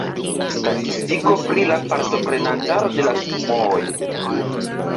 Statistiko pri la partoprentaro de la sumooj